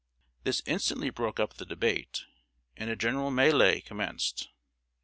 This instantly broke up the debate, and a general mêlée commenced.